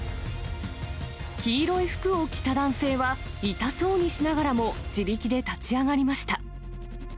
黄色い服を着た男性は、痛そうにしながらも自力で立ち上がりました。